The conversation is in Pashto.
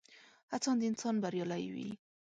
هڅاند انسان بريالی وي.